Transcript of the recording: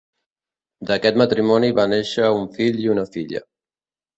D'aquest matrimoni van néixer un fill i una filla.